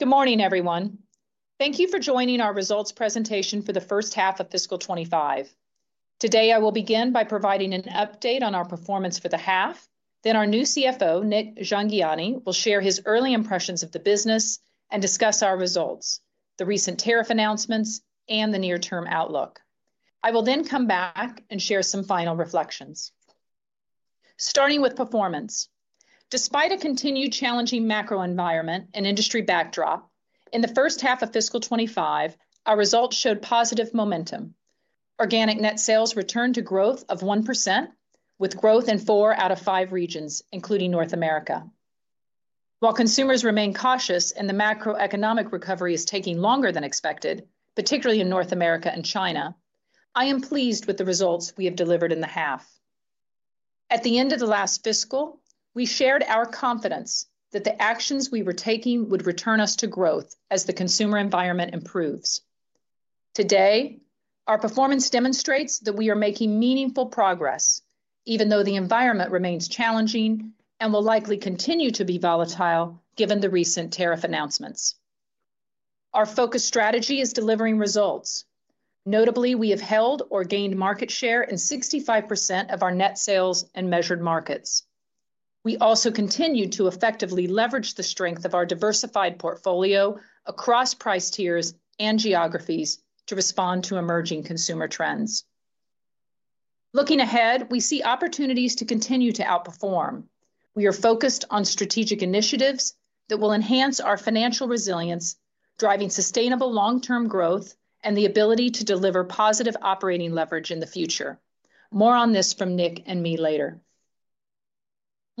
Good morning, everyone. Thank you for joining our Results Presentation for the First Half of Fiscal 2025. Today, I will begin by providing an update on our performance for the half, then our new CFO, Nik Jhangiani, will share his early impressions of the business and discuss our results, the recent tariff announcements, and the near-term outlook. I will then come back and share some final reflections. Starting with performance. Despite a continued challenging macro environment and industry backdrop, in the first half of fiscal 2025, our results showed positive momentum. Organic net sales returned to growth of 1%, with growth in four out of five regions, including North America. While consumers remain cautious and the macroeconomic recovery is taking longer than expected, particularly in North America and China, I am pleased with the results we have delivered in the half. At the end of the last fiscal, we shared our confidence that the actions we were taking would return us to growth as the consumer environment improves. Today, our performance demonstrates that we are making meaningful progress, even though the environment remains challenging and will likely continue to be volatile given the recent tariff announcements. Our focused strategy is delivering results. Notably, we have held or gained market share in 65% of our net sales in measured markets. We also continue to effectively leverage the strength of our diversified portfolio across price tiers and geographies to respond to emerging consumer trends. Looking ahead, we see opportunities to continue to outperform. We are focused on strategic initiatives that will enhance our financial resilience, driving sustainable long-term growth and the ability to deliver positive operating leverage in the future. More on this from Nik and me later.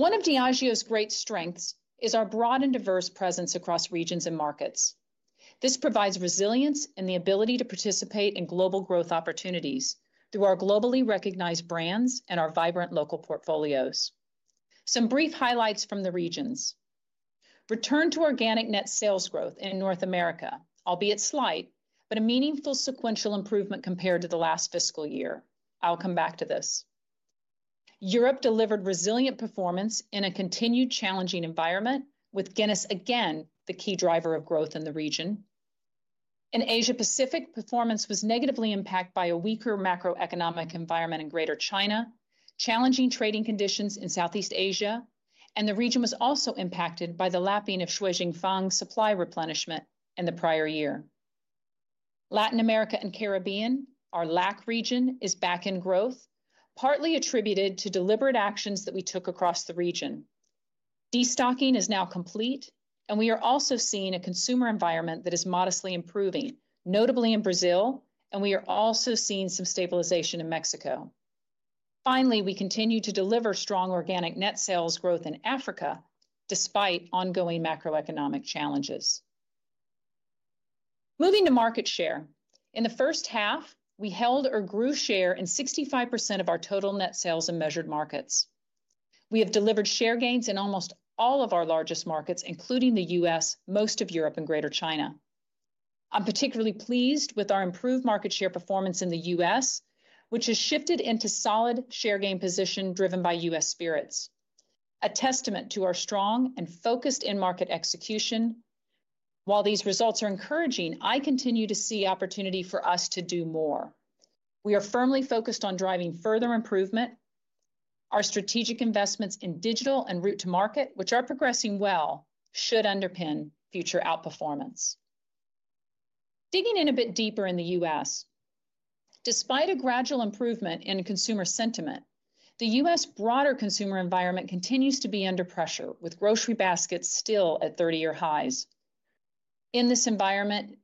One of Diageo's great strengths is our broad and diverse presence across regions and markets. This provides resilience and the ability to participate in global growth opportunities through our globally recognized brands and our vibrant local portfolios. Some brief highlights from the regions. Return to organic net sales growth in North America, albeit slight, but a meaningful sequential improvement compared to the last fiscal year. I'll come back to this. Europe delivered resilient performance in a continued challenging environment, with Guinness again the key driver of growth in the region. In Asia Pacific, performance was negatively impacted by a weaker macroeconomic environment in Greater China, challenging trading conditions in Southeast Asia, and the region was also impacted by the lapping of Shuijingfang supply replenishment in the prior year. Latin America and Caribbean, our LAC region, is back in growth, partly attributed to deliberate actions that we took across the region. Destocking is now complete, and we are also seeing a consumer environment that is modestly improving, notably in Brazil, and we are also seeing some stabilization in Mexico. Finally, we continue to deliver strong organic net sales growth in Africa despite ongoing macroeconomic challenges. Moving to market share. In the first half, we held or grew share in 65% of our total net sales in measured markets. We have delivered share gains in almost all of our largest markets, including the U.S., most of Europe, and Greater China. I'm particularly pleased with our improved market share performance in the U.S., which has shifted into solid share gain position driven by U.S. Spirits, a testament to our strong and focused in-market execution. While these results are encouraging, I continue to see opportunity for us to do more. We are firmly focused on driving further improvement. Our strategic investments in digital and route to market, which are progressing well, should underpin future outperformance. Digging in a bit deeper in the U.S., despite a gradual improvement in consumer sentiment, the U.S. broader consumer environment continues to be under pressure, with grocery baskets still at 30-year highs. In this environment,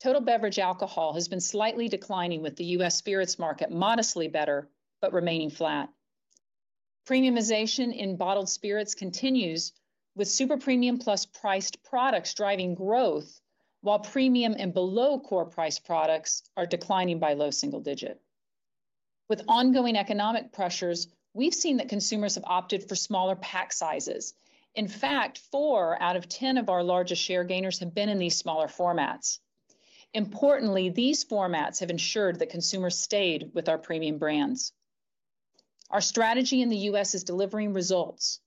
total beverage alcohol has been slightly declining, with the U.S. Spirits market modestly better but remaining flat. Premiumization in bottled spirits continues, with super premium plus priced products driving growth, while premium and below core price products are declining by low single digit. With ongoing economic pressures, we've seen that consumers have opted for smaller pack sizes. In fact, four out of ten of our largest share gainers have been in these smaller formats. Importantly, these formats have ensured that consumers stayed with our premium brands. Our strategy in the U.S. is delivering results,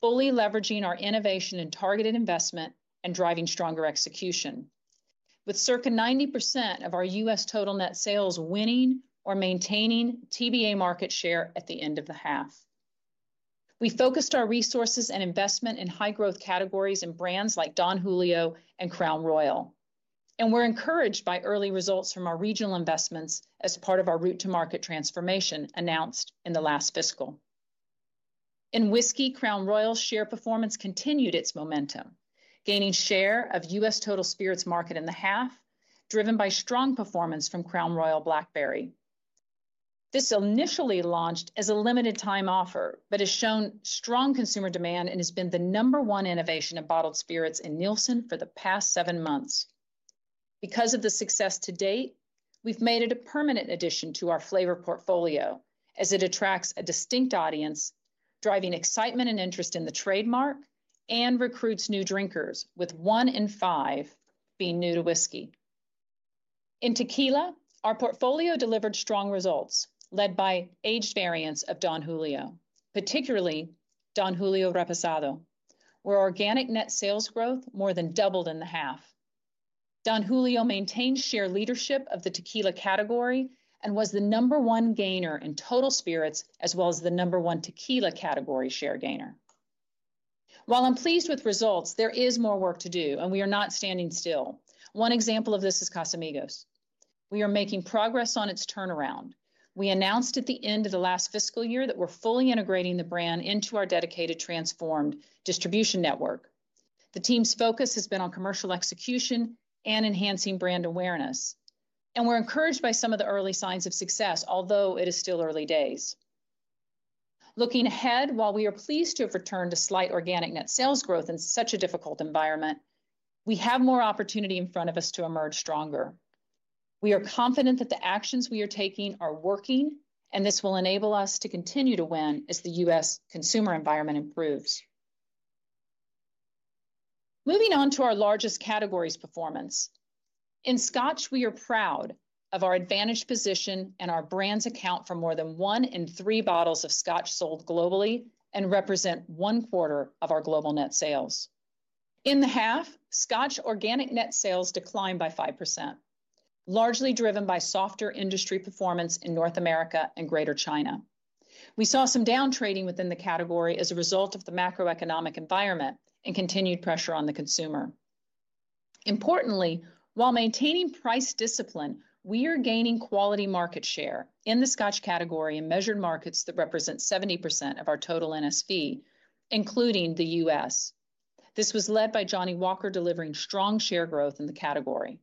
fully leveraging our innovation and targeted investment, and driving stronger execution, with circa 90% of our U.S. total net sales winning or maintaining TBA market share at the end of the half. We focused our resources and investment in high-growth categories and brands like Don Julio and Crown Royal, and we're encouraged by early results from our regional investments as part of our route to market transformation announced in the last fiscal. In whiskey, Crown Royal's share performance continued its momentum, gaining share of U.S. total spirits market in the half, driven by strong performance from Crown Royal Blackberry. This initially launched as a limited-time offer but has shown strong consumer demand and has been the number one innovation in bottled spirits in Nielsen for the past seven months. Because of the success to date, we've made it a permanent addition to our flavor portfolio, as it attracts a distinct audience, driving excitement and interest in the trademark and recruits new drinkers, with one in five being new to whiskey. In tequila, our portfolio delivered strong results, led by aged variants of Don Julio, particularly Don Julio Reposado, where organic net sales growth more than doubled in the half. Don Julio maintained share leadership of the tequila category and was the number one gainer in total spirits as well as the number one tequila category share gainer. While I'm pleased with results, there is more work to do, and we are not standing still. One example of this is Casamigos. We are making progress on its turnaround. We announced at the end of the last fiscal year that we're fully integrating the brand into our dedicated transformed distribution network. The team's focus has been on commercial execution and enhancing brand awareness, and we're encouraged by some of the early signs of success, although it is still early days. Looking ahead, while we are pleased to have returned to slight organic net sales growth in such a difficult environment, we have more opportunity in front of us to emerge stronger. We are confident that the actions we are taking are working, and this will enable us to continue to win as the U.S. consumer environment improves. Moving on to our largest categories performance. In Scotch, we are proud of our advantaged position and our brand's account for more than one in three bottles of Scotch sold globally and represent one quarter of our global net sales. In the half, Scotch organic net sales declined by 5%, largely driven by softer industry performance in North America and Greater China. We saw some downtrading within the category as a result of the macroeconomic environment and continued pressure on the consumer. Importantly, while maintaining price discipline, we are gaining quality market share in the Scotch category in measured markets that represent 70% of our total NSV, including the U.S. This was led by Johnnie Walker delivering strong share growth in the category.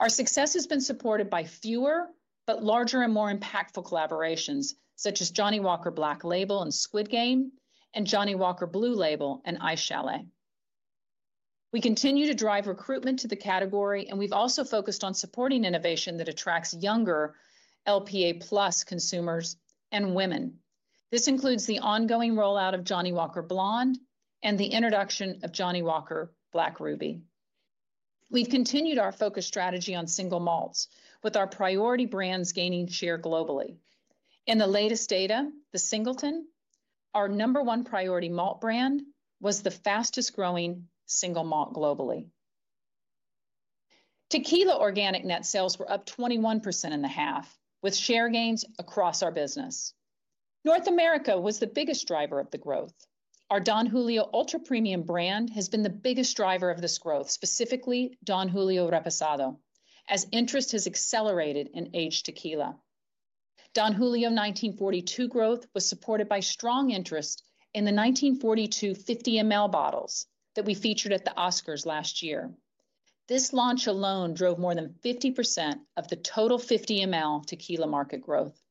Our success has been supported by fewer but larger and more impactful collaborations, such as Johnnie Walker Black Label and Squid Game and Johnnie Walker Blue Label and Ice Chalet. We continue to drive recruitment to the category, and we've also focused on supporting innovation that attracts younger LPA+ consumers and women. This includes the ongoing rollout of Johnnie Walker Blonde and the introduction of Johnnie Walker Black Ruby. We've continued our focus strategy on single malts, with our priority brands gaining share globally. In the latest data, The Singleton, our number one priority malt brand, was the fastest-growing single malt globally. Tequila organic net sales were up 21% in the half, with share gains across our business. North America was the biggest driver of the growth. Our Don Julio Ultra Premium brand has been the biggest driver of this growth, specifically Don Julio Reposado, as interest has accelerated in aged tequila. Don Julio 1942 growth was supported by strong interest in the 1942 50 mL bottles that we featured at the Oscars last year. This launch alone drove more than 50% of the total 50 mL tequila market growth.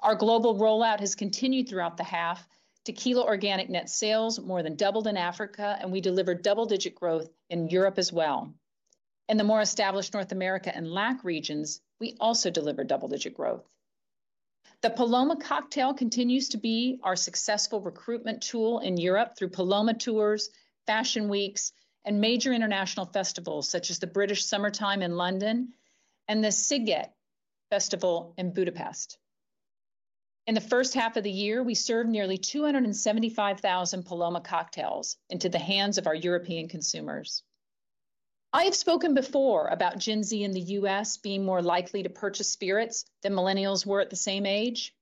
Our global rollout has continued throughout the half. Tequila organic net sales more than doubled in Africa, and we delivered double-digit growth in Europe as well. In the more established North America and LAC regions, we also delivered double-digit growth. The Paloma Cocktail continues to be our successful recruitment tool in Europe through Paloma Tours, fashion weeks, and major international festivals such as the British Summer Time in London and the Sziget Festival in Budapest. In the first half of the year, we served nearly 275,000 Paloma cocktails into the hands of our European consumers. I have spoken before about Gen Z in the U.S. being more likely to purchase spirits than Millennials were at the same age.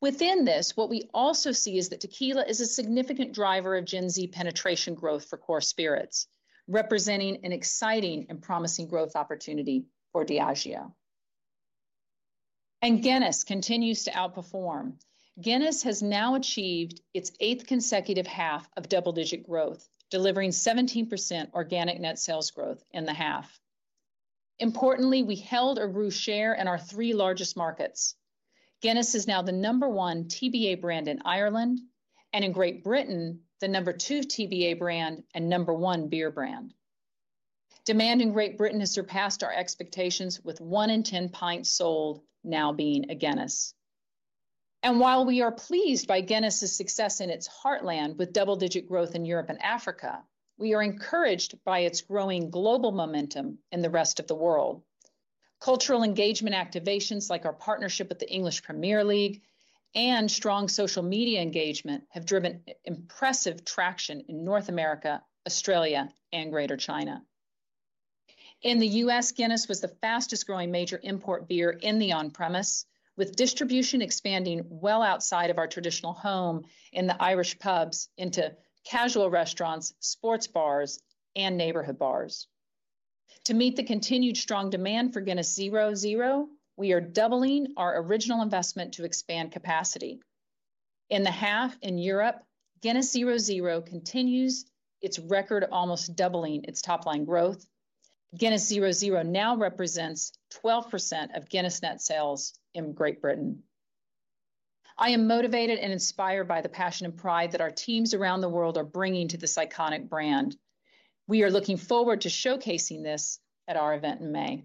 Within this, what we also see is that tequila is a significant driver of Gen Z penetration growth for core spirits, representing an exciting and promising growth opportunity for Diageo. And Guinness continues to outperform. Guinness has now achieved its eighth consecutive half of double-digit growth, delivering 17% organic net sales growth in the half. Importantly, we held or grew share in our three largest markets. Guinness is now the number one TBA brand in Ireland and in Great Britain, the number two TBA brand and number one beer brand. Demand in Great Britain has surpassed our expectations, with one in 10 pints sold now being a Guinness, and while we are pleased by Guinness's success in its heartland with double-digit growth in Europe and Africa, we are encouraged by its growing global momentum in the rest of the world. Cultural engagement activations like our partnership with the English Premier League and strong social media engagement have driven impressive traction in North America, Australia, and Greater China. In the U.S., Guinness was the fastest-growing major import beer in the on-premise, with distribution expanding well outside of our traditional home in the Irish pubs into casual restaurants, sports bars, and neighborhood bars. To meet the continued strong demand for Guinness 0.0, we are doubling our original investment to expand capacity. In the half in Europe, Guinness 0.0 continues its record, almost doubling its top-line growth. Guinness 0.0 now represents 12% of Guinness net sales in Great Britain. I am motivated and inspired by the passion and pride that our teams around the world are bringing to this iconic brand. We are looking forward to showcasing this at our event in May.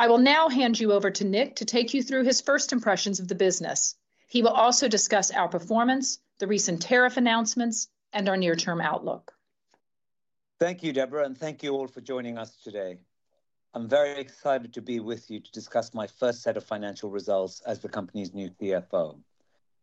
I will now hand you over to Nik to take you through his first impressions of the business. He will also discuss our performance, the recent tariff announcements, and our near-term outlook. Thank you, Debra, and thank you all for joining us today. I'm very excited to be with you to discuss my first set of financial results as the company's new CFO.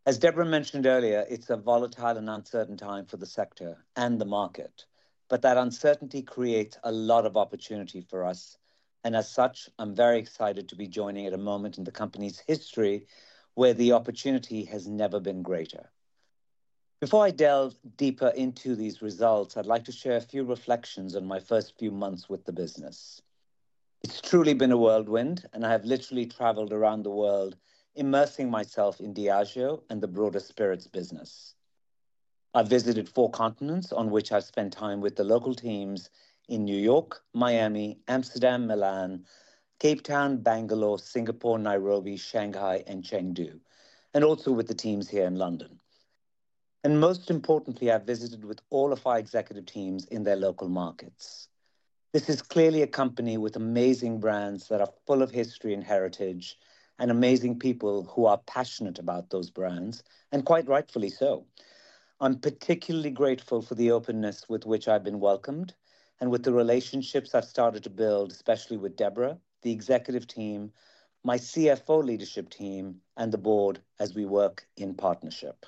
As Debra mentioned earlier, it's a volatile and uncertain time for the sector and the market, but that uncertainty creates a lot of opportunity for us. And as such, I'm very excited to be joining at a moment in the company's history where the opportunity has never been greater. Before I delve deeper into these results, I'd like to share a few reflections on my first few months with the business. It's truly been a whirlwind, and I have literally traveled around the world, immersing myself in Diageo and the broader spirits business. I've visited four continents on which I've spent time with the local teams in New York, Miami, Amsterdam, Milan, Cape Town, Bangalore, Singapore, Nairobi, Shanghai, and Chengdu, and also with the teams here in London. And most importantly, I've visited with all of our executive teams in their local markets. This is clearly a company with amazing brands that are full of history and heritage and amazing people who are passionate about those brands, and quite rightfully so. I'm particularly grateful for the openness with which I've been welcomed and with the relationships I've started to build, especially with Debra, the executive team, my CFO leadership team, and the board as we work in partnership.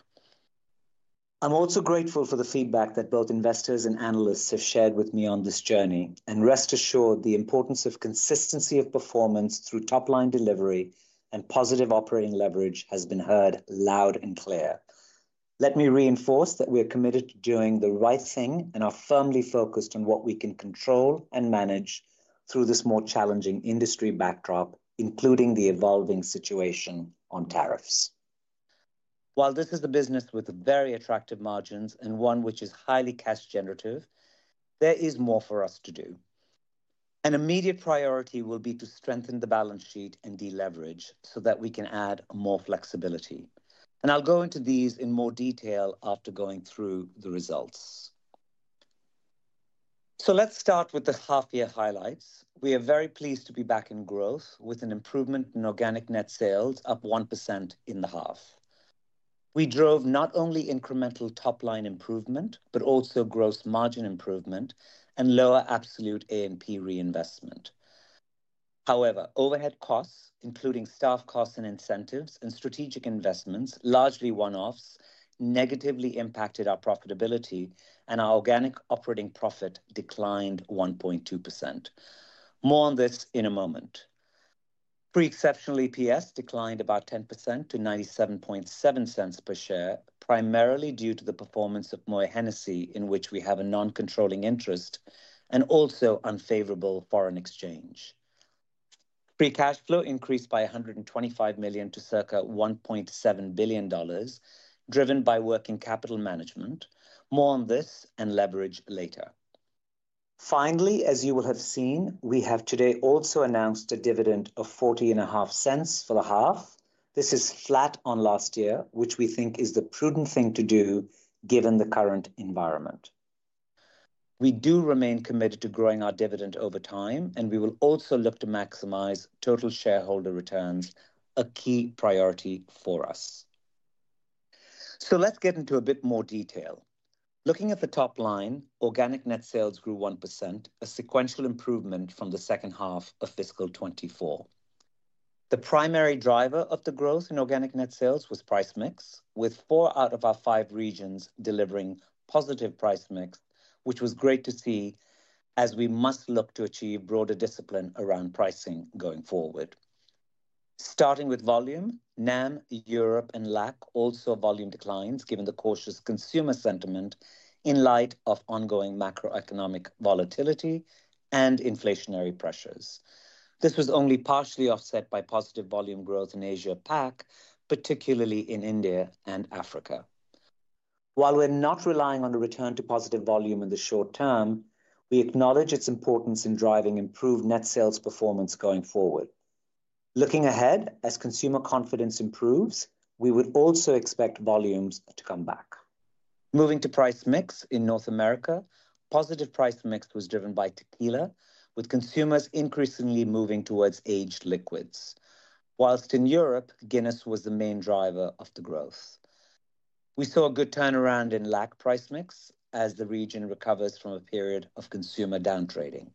I'm also grateful for the feedback that both investors and analysts have shared with me on this journey. And rest assured, the importance of consistency of performance through top-line delivery and positive operating leverage has been heard loud and clear. Let me reinforce that we are committed to doing the right thing and are firmly focused on what we can control and manage through this more challenging industry backdrop, including the evolving situation on tariffs. While this is a business with very attractive margins and one which is highly cash-generative, there is more for us to do. An immediate priority will be to strengthen the balance sheet and deleverage so that we can add more flexibility. And I'll go into these in more detail after going through the results. So let's start with the half-year highlights. We are very pleased to be back in growth with an improvement in organic net sales, up 1% in the half. We drove not only incremental top-line improvement, but also gross margin improvement and lower absolute A&P reinvestment. However, overhead costs, including staff costs and incentives and strategic investments, largely one-offs, negatively impacted our profitability, and our organic operating profit declined 1.2%. More on this in a moment. Pre-exceptional EPS declined about 10% to $0.977 per share, primarily due to the performance of Moët Hennessy, in which we have a non-controlling interest and also unfavorable foreign exchange. Free cash flow increased by $125 million to circa $1.7 billion, driven by working capital management. More on this and leverage later. Finally, as you will have seen, we have today also announced a dividend of $0.405 for the half. This is flat on last year, which we think is the prudent thing to do given the current environment. We do remain committed to growing our dividend over time, and we will also look to maximize total shareholder returns, a key priority for us. So let's get into a bit more detail. Looking at the top line, organic net sales grew 1%, a sequential improvement from the second half of fiscal 2024. The primary driver of the growth in organic net sales was price mix, with four out of our five regions delivering positive price mix, which was great to see as we must look to achieve broader discipline around pricing going forward. Starting with volume, NAM, Europe, and LAC also volume declines given the cautious consumer sentiment in light of ongoing macroeconomic volatility and inflationary pressures. This was only partially offset by positive volume growth in Asia-Pac, particularly in India and Africa. While we're not relying on a return to positive volume in the short term, we acknowledge its importance in driving improved net sales performance going forward. Looking ahead, as consumer confidence improves, we would also expect volumes to come back. Moving to price mix in North America, positive price mix was driven by tequila, with consumers increasingly moving towards aged liquids. While in Europe, Guinness was the main driver of the growth. We saw a good turnaround in LAC price mix as the region recovers from a period of consumer downtrading.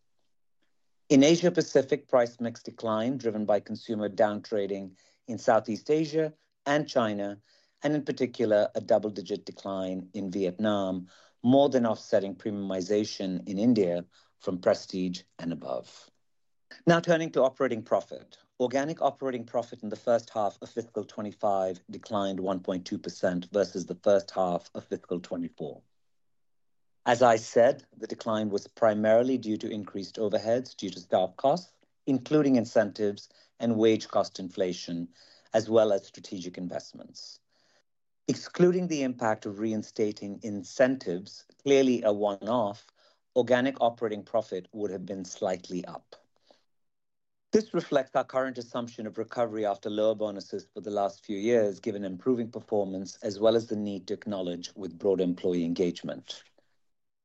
In Asia-Pacific, price mix declined driven by consumer downtrading in Southeast Asia and China, and in particular, a double-digit decline in Vietnam, more than offsetting premiumization in India from Prestige and above. Now turning to operating profit, organic operating profit in the first half of fiscal 2025 declined 1.2% versus the first half of fiscal 2024. As I said, the decline was primarily due to increased overheads due to staff costs, including incentives and wage cost inflation, as well as strategic investments. Excluding the impact of reinstating incentives, clearly a one-off, organic operating profit would have been slightly up. This reflects our current assumption of recovery after lower bonuses for the last few years, given improving performance as well as the need to acknowledge with broader employee engagement.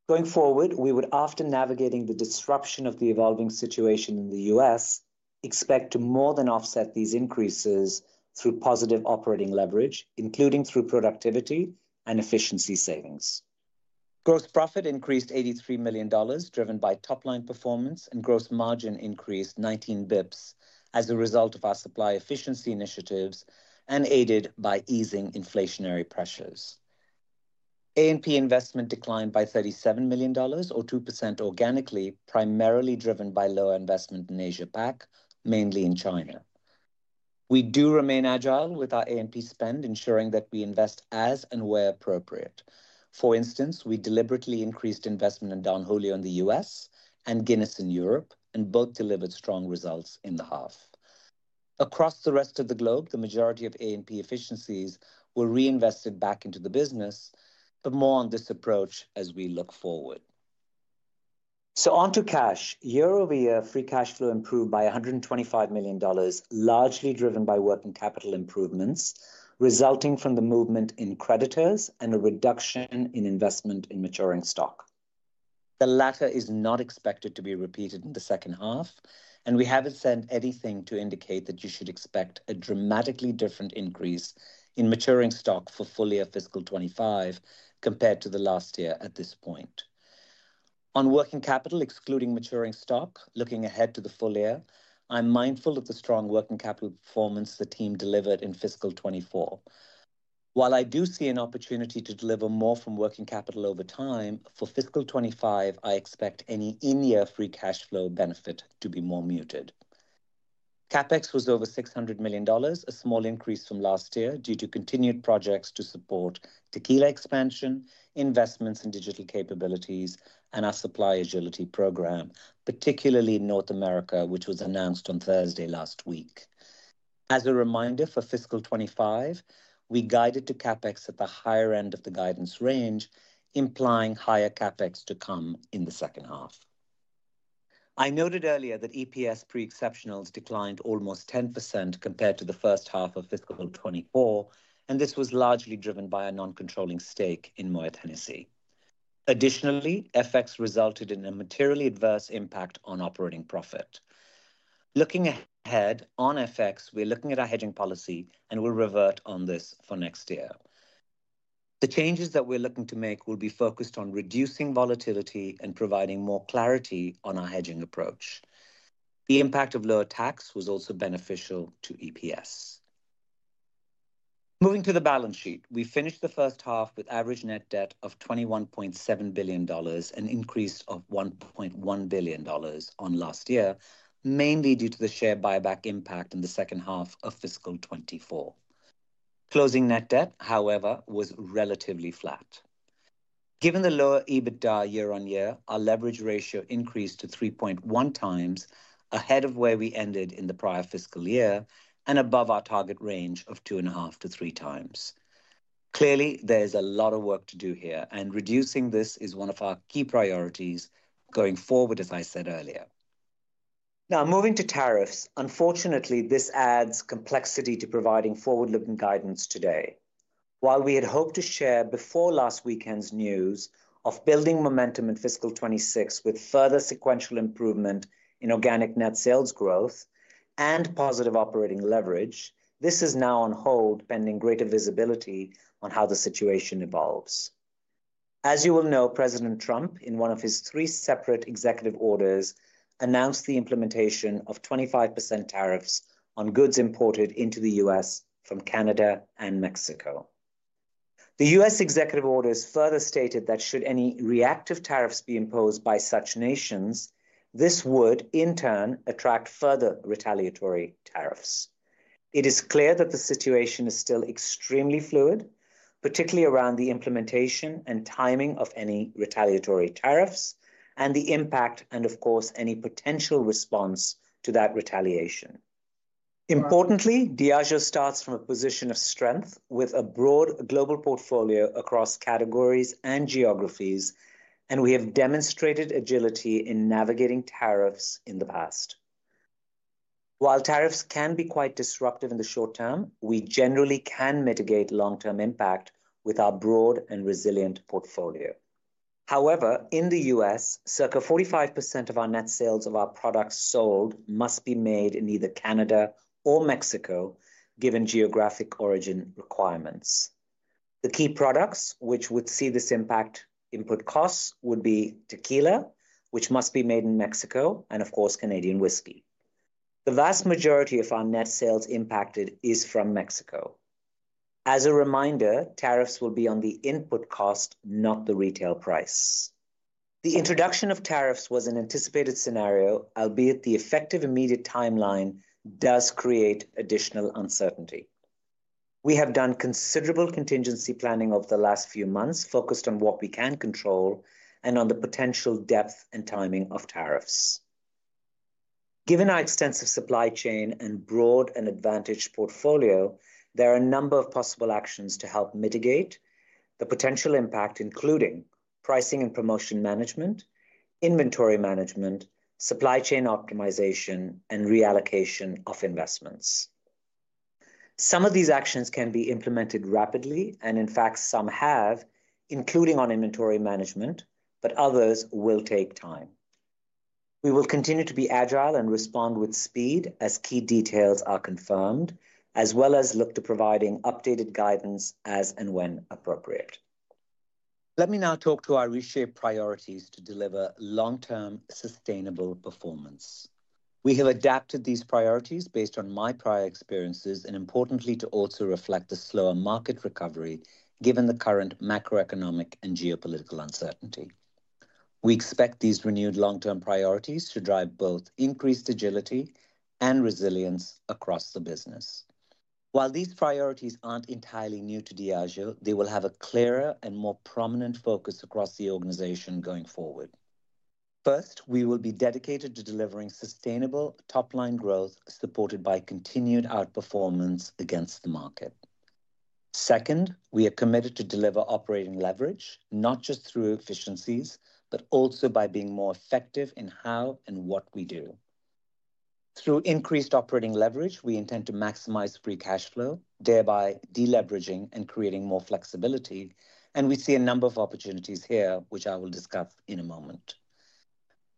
Going forward, we would, after navigating the disruption of the evolving situation in the U.S., expect to more than offset these increases through positive operating leverage, including through productivity and efficiency savings. Gross profit increased $83 million, driven by top-line performance and gross margin increased 19 basis points as a result of our supply efficiency initiatives and aided by easing inflationary pressures. A&P investment declined by $37 million, or 2% organically, primarily driven by lower investment in Asia-Pac, mainly in China. We do remain agile with our A&P spend, ensuring that we invest as and where appropriate. For instance, we deliberately increased investment in Don Julio in the U.S. and Guinness in Europe, and both delivered strong results in the half. Across the rest of the globe, the majority of A&P efficiencies were reinvested back into the business, but more on this approach as we look forward. So on to cash. Year over year, free cash flow improved by $125 million, largely driven by working capital improvements resulting from the movement in creditors and a reduction in investment in maturing stock. The latter is not expected to be repeated in the second half, and we haven't sent anything to indicate that you should expect a dramatically different increase in maturing stock for full year fiscal 2025 compared to the last year at this point. On working capital, excluding maturing stock, looking ahead to the full year, I'm mindful of the strong working capital performance the team delivered in fiscal 2024. While I do see an opportunity to deliver more from working capital over time, for fiscal 2025, I expect any in-year free cash flow benefit to be more muted. CapEx was over $600 million, a small increase from last year due to continued projects to support tequila expansion, investments in digital capabilities, and our supply agility program, particularly in North America, which was announced on Thursday last week. As a reminder for fiscal 2025, we guided to CapEx at the higher end of the guidance range, implying higher CapEx to come in the second half. I noted earlier that EPS pre-exceptionals declined almost 10% compared to the first half of fiscal 2024, and this was largely driven by a non-controlling stake in Moët Hennessy. Additionally, FX resulted in a materially adverse impact on operating profit. Looking ahead on FX, we're looking at our hedging policy and will revert on this for next year. The changes that we're looking to make will be focused on reducing volatility and providing more clarity on our hedging approach. The impact of lower tax was also beneficial to EPS. Moving to the balance sheet, we finished the first half with average net debt of $21.7 billion, an increase of $1.1 billion on last year, mainly due to the share buyback impact in the second half of fiscal 2024. Closing net debt, however, was relatively flat. Given the lower EBITDA year on year, our leverage ratio increased to 3.1x ahead of where we ended in the prior fiscal year and above our target range of 2.5x-3x. Clearly, there is a lot of work to do here, and reducing this is one of our key priorities going forward, as I said earlier. Now, moving to tariffs, unfortunately, this adds complexity to providing forward-looking guidance today. While we had hoped to share before last weekend's news of building momentum in fiscal 2026 with further sequential improvement in organic net sales growth and positive operating leverage, this is now on hold, pending greater visibility on how the situation evolves. As you will know, President Trump, in one of his three separate executive orders, announced the implementation of 25% tariffs on goods imported into the U.S. from Canada and Mexico. The U.S. executive orders further stated that should any reactive tariffs be imposed by such nations, this would, in turn, attract further retaliatory tariffs. It is clear that the situation is still extremely fluid, particularly around the implementation and timing of any retaliatory tariffs and the impact and, of course, any potential response to that retaliation. Importantly, Diageo starts from a position of strength with a broad global portfolio across categories and geographies, and we have demonstrated agility in navigating tariffs in the past. While tariffs can be quite disruptive in the short term, we generally can mitigate long-term impact with our broad and resilient portfolio. However, in the U.S., circa 45% of our net sales of our products sold must be made in either Canada or Mexico, given geographic origin requirements. The key products which would see this impact input costs would be tequila, which must be made in Mexico, and, of course, Canadian whisky. The vast majority of our net sales impacted is from Mexico. As a reminder, tariffs will be on the input cost, not the retail price. The introduction of tariffs was an anticipated scenario, albeit the effective immediate timeline does create additional uncertainty. We have done considerable contingency planning over the last few months, focused on what we can control and on the potential depth and timing of tariffs. Given our extensive supply chain and broad and advantaged portfolio, there are a number of possible actions to help mitigate the potential impact, including pricing and promotion management, inventory management, supply chain optimization, and reallocation of investments. Some of these actions can be implemented rapidly, and in fact, some have, including on inventory management, but others will take time. We will continue to be agile and respond with speed as key details are confirmed, as well as look to providing updated guidance as and when appropriate. Let me now talk to our reshaped priorities to deliver long-term sustainable performance. We have adapted these priorities based on my prior experiences and, importantly, to also reflect the slower market recovery given the current macroeconomic and geopolitical uncertainty. We expect these renewed long-term priorities to drive both increased agility and resilience across the business. While these priorities aren't entirely new to Diageo, they will have a clearer and more prominent focus across the organization going forward. First, we will be dedicated to delivering sustainable top-line growth supported by continued outperformance against the market. Second, we are committed to deliver operating leverage, not just through efficiencies, but also by being more effective in how and what we do. Through increased operating leverage, we intend to maximize free cash flow, thereby deleveraging and creating more flexibility, and we see a number of opportunities here, which I will discuss in a moment.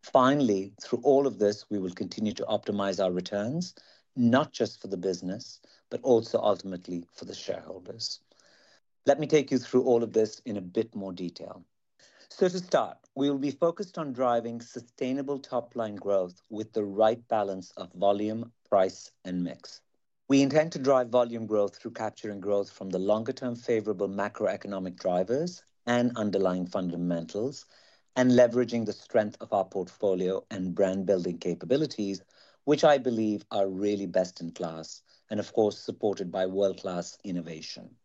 Finally, through all of this, we will continue to optimize our returns, not just for the business, but also ultimately for the shareholders. Let me take you through all of this in a bit more detail. So to start, we will be focused on driving sustainable top-line growth with the right balance of volume, price, and mix. We intend to drive volume growth through capturing growth from the longer-term favorable macroeconomic drivers and underlying fundamentals and leveraging the strength of our portfolio and brand-building capabilities, which I believe are really best in class and, of course, supported by world-class innovation.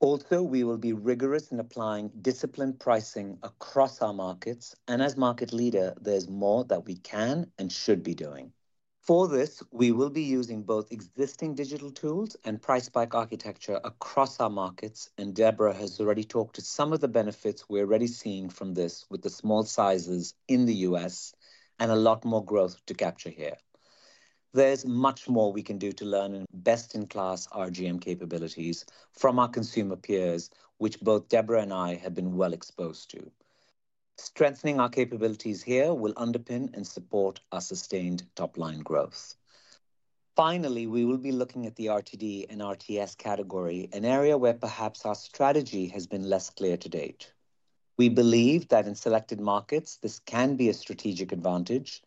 Also, we will be rigorous in applying disciplined pricing across our markets, and as market leader, there's more that we can and should be doing. For this, we will be using both existing digital tools and price pack architecture across our markets, and Debra has already talked to some of the benefits we're already seeing from this with the small sizes in the U.S. and a lot more growth to capture here. There's much more we can do to learn best-in-class RGM capabilities from our consumer peers, which both Debra and I have been well exposed to. Strengthening our capabilities here will underpin and support our sustained top-line growth. Finally, we will be looking at the RTD and RTS category, an area where perhaps our strategy has been less clear to date. We believe that in selected markets, this can be a strategic advantage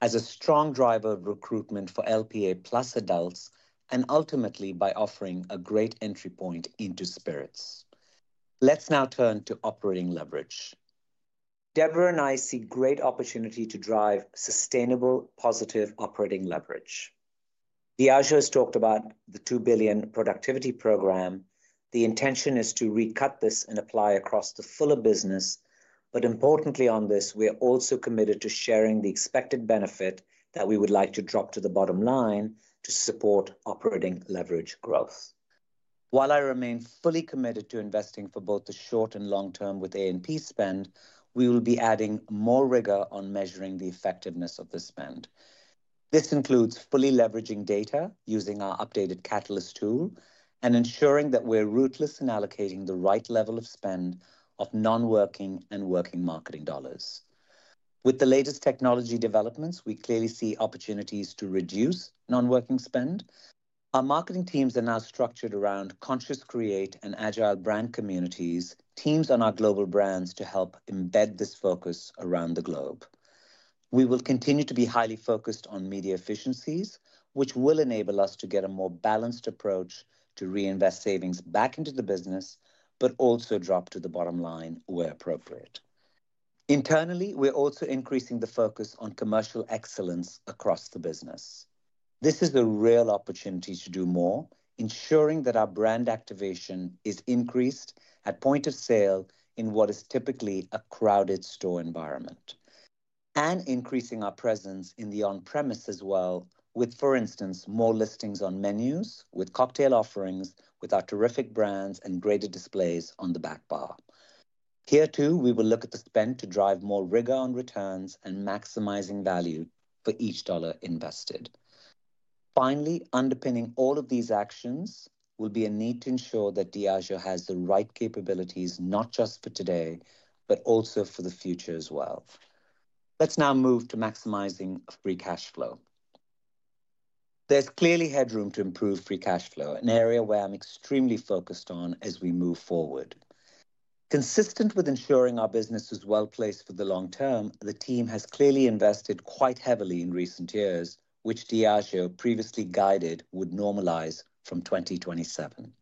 as a strong driver of recruitment for LPA+ adults and ultimately by offering a great entry point into spirits. Let's now turn to operating leverage. Debra and I see great opportunity to drive sustainable, positive operating leverage. Diageo has talked about the $2 billion productivity program. The intention is to recut this and apply across the fuller business, but importantly on this, we are also committed to sharing the expected benefit that we would like to drop to the bottom line to support operating leverage growth. While I remain fully committed to investing for both the short and long term with A&P spend, we will be adding more rigor on measuring the effectiveness of the spend. This includes fully leveraging data using our updated Catalyst tool and ensuring that we're ruthless in allocating the right level of spend of non-working and working marketing dollars. With the latest technology developments, we clearly see opportunities to reduce non-working spend. Our marketing teams are now structured around Connect, Create, and Agile Brand Community teams on our global brands to help embed this focus around the globe. We will continue to be highly focused on media efficiencies, which will enable us to get a more balanced approach to reinvest savings back into the business, but also drop to the bottom line where appropriate. Internally, we're also increasing the focus on commercial excellence across the business. This is a real opportunity to do more, ensuring that our brand activation is increased at point of sale in what is typically a crowded store environment and increasing our presence in the on-premise as well, with, for instance, more listings on menus with cocktail offerings with our terrific brands and greater displays on the back bar. Here too, we will look at the spend to drive more rigor on returns and maximizing value for each dollar invested. Finally, underpinning all of these actions will be a need to ensure that Diageo has the right capabilities, not just for today, but also for the future as well. Let's now move to maximizing free cash flow. There's clearly headroom to improve free cash flow, an area where I'm extremely focused on as we move forward. Consistent with ensuring our business is well placed for the long term, the team has clearly invested quite heavily in recent years, which Diageo previously guided would normalize from 2027.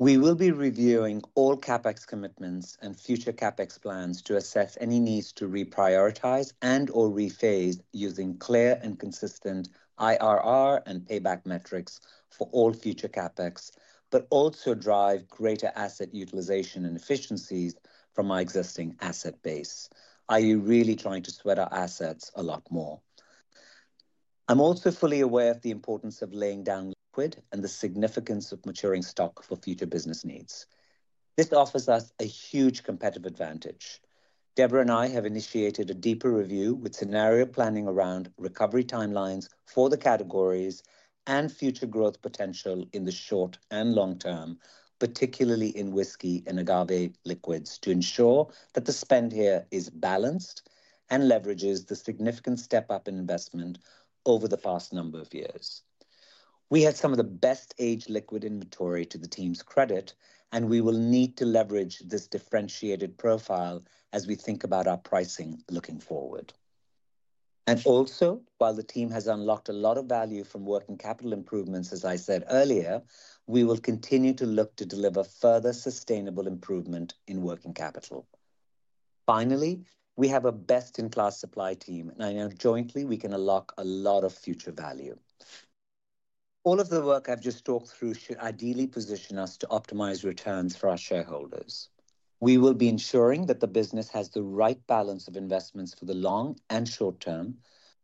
We will be reviewing all CapEx commitments and future CapEx plans to assess any needs to reprioritize and/or rephase using clear and consistent IRR and payback metrics for all future CapEx, but also drive greater asset utilization and efficiencies from our existing asset base. Are you really trying to sweat our assets a lot more? I'm also fully aware of the importance of laying down liquid and the significance of maturing stock for future business needs. This offers us a huge competitive advantage. Debra and I have initiated a deeper review with scenario planning around recovery timelines for the categories and future growth potential in the short and long term, particularly in whiskey and agave liquids, to ensure that the spend here is balanced and leverages the significant step-up in investment over the past number of years. We have some of the best-aged liquid inventory to the team's credit, and we will need to leverage this differentiated profile as we think about our pricing looking forward. And also, while the team has unlocked a lot of value from working capital improvements, as I said earlier, we will continue to look to deliver further sustainable improvement in working capital. Finally, we have a best-in-class supply team, and I know jointly we can unlock a lot of future value. All of the work I've just talked through should ideally position us to optimize returns for our shareholders. We will be ensuring that the business has the right balance of investments for the long and short term,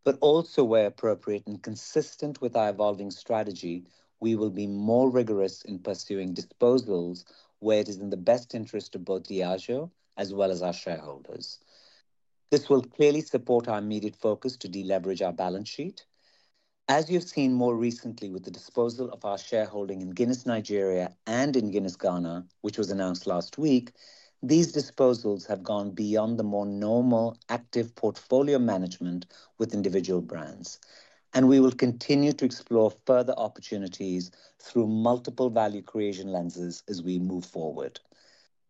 but also, where appropriate and consistent with our evolving strategy, we will be more rigorous in pursuing disposals where it is in the best interest of both Diageo as well as our shareholders. This will clearly support our immediate focus to deleverage our balance sheet. As you've seen more recently with the disposal of our shareholding in Guinness Nigeria and in Guinness Ghana, which was announced last week, these disposals have gone beyond the more normal active portfolio management with individual brands, and we will continue to explore further opportunities through multiple value creation lenses as we move forward.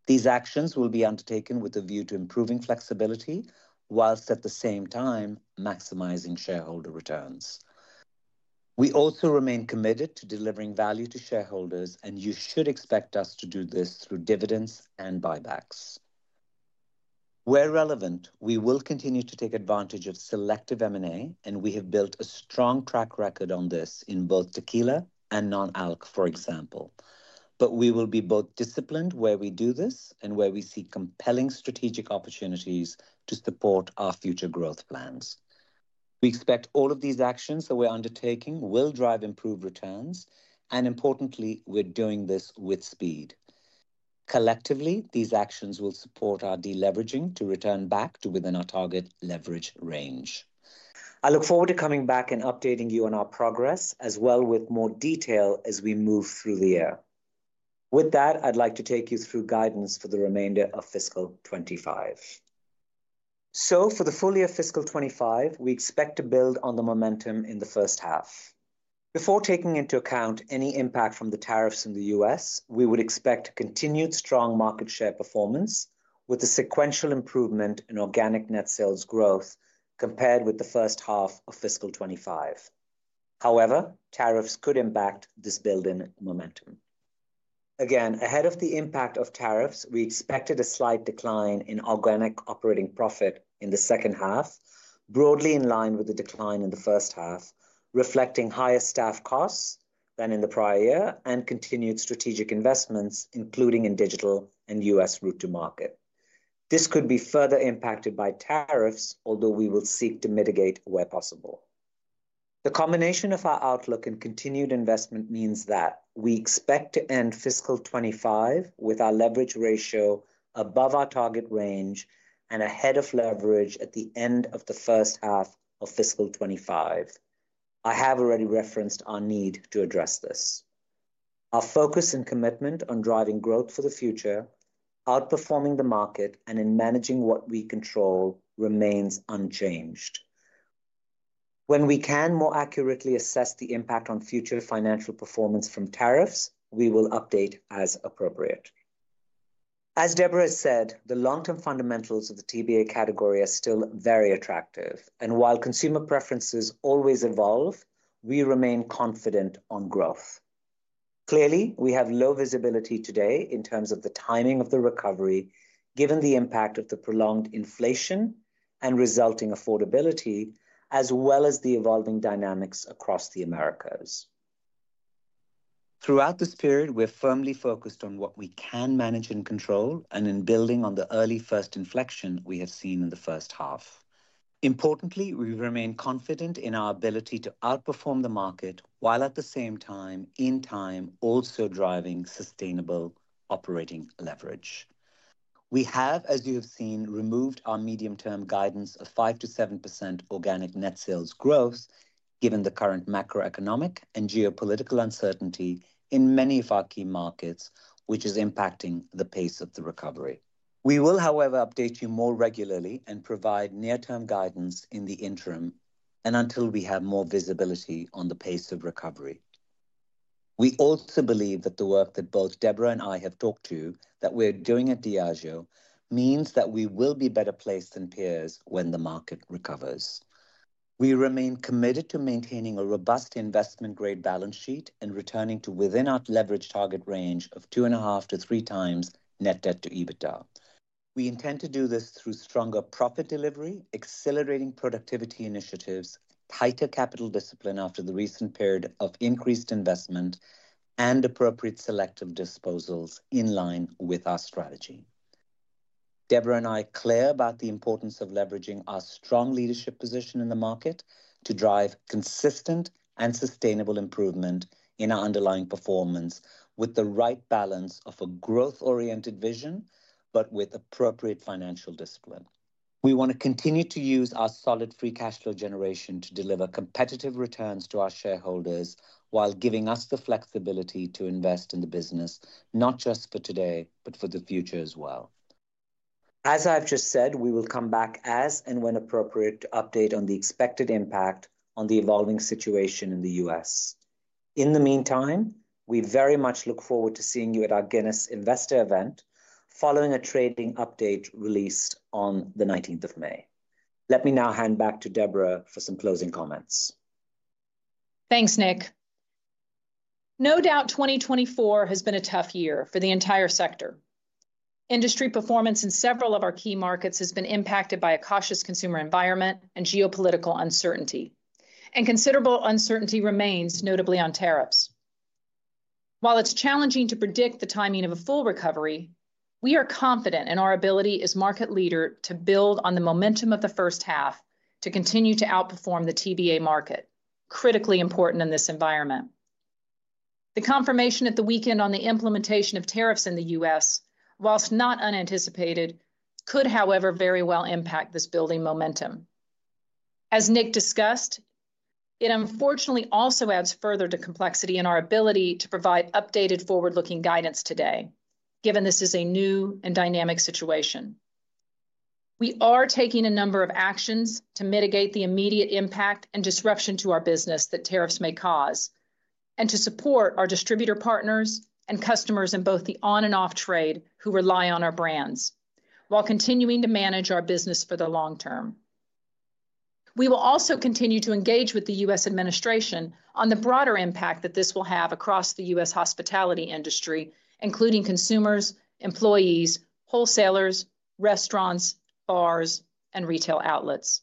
These actions will be undertaken with a view to improving flexibility whilst, at the same time, maximizing shareholder returns. We also remain committed to delivering value to shareholders, and you should expect us to do this through dividends and buybacks. Where relevant, we will continue to take advantage of selective M&A, and we have built a strong track record on this in both tequila and non-alc, for example, but we will be both disciplined where we do this and where we see compelling strategic opportunities to support our future growth plans. We expect all of these actions that we're undertaking will drive improved returns, and importantly, we're doing this with speed. Collectively, these actions will support our deleveraging to return back to within our target leverage range. I look forward to coming back and updating you on our progress as well with more detail as we move through the year. With that, I'd like to take you through guidance for the remainder of fiscal 2025. So, for the full year fiscal 2025, we expect to build on the momentum in the first half. Before taking into account any impact from the tariffs in the U.S., we would expect continued strong market share performance with a sequential improvement in organic net sales growth compared with the first half of fiscal 2025. However, tariffs could impact this building momentum. Again, ahead of the impact of tariffs, we expected a slight decline in organic operating profit in the second half, broadly in line with the decline in the first half, reflecting higher staff costs than in the prior year and continued strategic investments, including in digital and U.S. route to market. This could be further impacted by tariffs, although we will seek to mitigate where possible. The combination of our outlook and continued investment means that we expect to end fiscal 2025 with our leverage ratio above our target range and ahead of leverage at the end of the first half of fiscal 2025. I have already referenced our need to address this. Our focus and commitment on driving growth for the future, outperforming the market, and in managing what we control remains unchanged. When we can more accurately assess the impact on future financial performance from tariffs, we will update as appropriate. As Debra has said, the long-term fundamentals of the TBA category are still very attractive, and while consumer preferences always evolve, we remain confident on growth. Clearly, we have low visibility today in terms of the timing of the recovery, given the impact of the prolonged inflation and resulting affordability, as well as the evolving dynamics across the Americas. Throughout this period, we're firmly focused on what we can manage and control and in building on the early first inflection we have seen in the first half. Importantly, we remain confident in our ability to outperform the market while at the same time, in time, also driving sustainable operating leverage. We have, as you have seen, removed our medium-term guidance of 5%-7% organic net sales growth, given the current macroeconomic and geopolitical uncertainty in many of our key markets, which is impacting the pace of the recovery. We will, however, update you more regularly and provide near-term guidance in the interim and until we have more visibility on the pace of recovery. We also believe that the work that both Debra and I have talked to, that we're doing at Diageo, means that we will be better placed than peers when the market recovers. We remain committed to maintaining a robust investment-grade balance sheet and returning to within our leverage target range of two and a half to three times net debt to EBITDA. We intend to do this through stronger profit delivery, accelerating productivity initiatives, tighter capital discipline after the recent period of increased investment, and appropriate selective disposals in line with our strategy. Debra and I are clear about the importance of leveraging our strong leadership position in the market to drive consistent and sustainable improvement in our underlying performance with the right balance of a growth-oriented vision, but with appropriate financial discipline. We want to continue to use our solid free cash flow generation to deliver competitive returns to our shareholders while giving us the flexibility to invest in the business, not just for today, but for the future as well. As I've just said, we will come back as and when appropriate to update on the expected impact on the evolving situation in the U.S. In the meantime, we very much look forward to seeing you at our Guinness Investor event following a trading update released on the 19th of May. Let me now hand back to Debra for some closing comments. Thanks, Nik. No doubt 2024 has been a tough year for the entire sector. Industry performance in several of our key markets has been impacted by a cautious consumer environment and geopolitical uncertainty, and considerable uncertainty remains, notably on tariffs. While it's challenging to predict the timing of a full recovery, we are confident in our ability as market leader to build on the momentum of the first half to continue to outperform the TBA market, critically important in this environment. The confirmation at the weekend on the implementation of tariffs in the U.S., whilst not unanticipated, could, however, very well impact this building momentum. As Nik discussed, it unfortunately also adds further to complexity in our ability to provide updated forward-looking guidance today, given this is a new and dynamic situation. We are taking a number of actions to mitigate the immediate impact and disruption to our business that tariffs may cause and to support our distributor partners and customers in both the on- and off-trade who rely on our brands, while continuing to manage our business for the long term. We will also continue to engage with the U.S. administration on the broader impact that this will have across the U.S. hospitality industry, including consumers, employees, wholesalers, restaurants, bars, and retail outlets.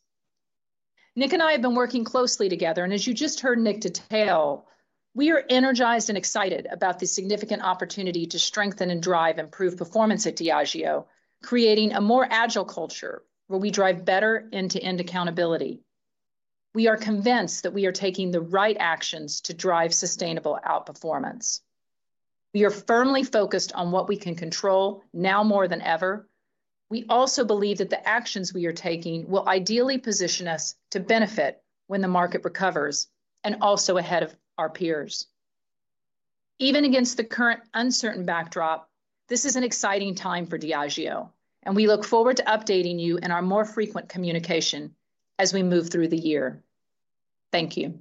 Nik and I have been working closely together, and as you just heard Nik detail, we are energized and excited about the significant opportunity to strengthen and drive improved performance at Diageo, creating a more agile culture where we drive better end-to-end accountability. We are convinced that we are taking the right actions to drive sustainable outperformance. We are firmly focused on what we can control now more than ever. We also believe that the actions we are taking will ideally position us to benefit when the market recovers and also ahead of our peers. Even against the current uncertain backdrop, this is an exciting time for Diageo, and we look forward to updating you in our more frequent communication as we move through the year. Thank you.